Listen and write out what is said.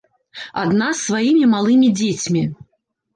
Адна з сваімі малымі дзецьмі.